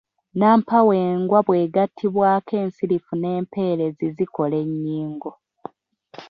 Nnampawengwa bw’egattibwako ensirifu n’empeerezi zikola ennyingo.